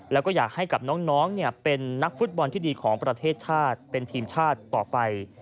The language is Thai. แล้วก็อยากให้กับน้องเป็นนักฟุตบอลที่ดีของประเทศชาติเป็นทีมชาติต่อไป